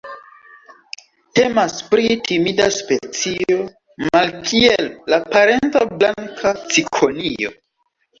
Temas pri timida specio, malkiel la parenca Blanka cikonio.